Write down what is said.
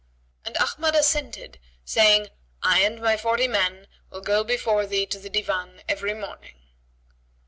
And Ahmad assented, saying, "I and my forty men will go before thee to the Divan every morning."